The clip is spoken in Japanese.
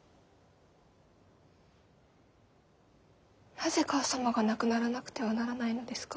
なぜ母さまが亡くならなくてはならないのですか？